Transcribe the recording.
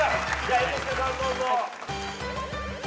猿之助さんどうぞ。